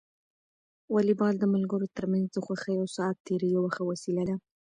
واليبال د ملګرو ترمنځ د خوښۍ او ساعت تېري یوه ښه وسیله ده.